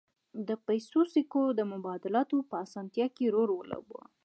د پیسو سکو د مبادلاتو په اسانتیا کې رول ولوباوه